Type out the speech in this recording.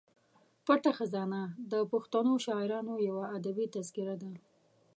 پټه خزانه د پښتنو شاعرانو یوه ادبي تذکره ده.